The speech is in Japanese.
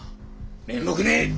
面目ねえ！